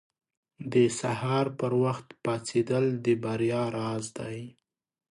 • د سهار پر وخت پاڅېدل د بریا راز دی.